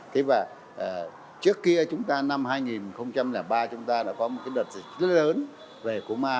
thế và trước kia chúng ta năm hai nghìn ba chúng ta đã có một cái đợt rất là lớn về cúng a